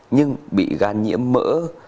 nhưng bị gan nhiễm mỡ